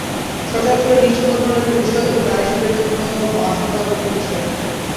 সচরাচর এরা নিঃসঙ্গ ধরনের পুরুষ হয়, এবং নারীসঙ্গের জন্যে বাসনা বুকে পুষে রাখে।